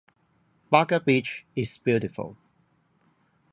Baga beach is beautiful.